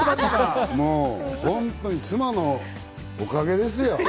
妻のおかげですよ。